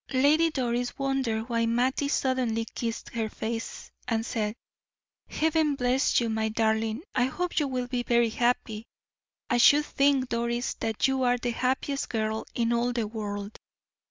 Lady Doris wondered why Mattie suddenly kissed her face, and said: "Heaven bless you, my darling; I hope you will be very happy. I should think, Doris, that you are the happiest girl in all the world."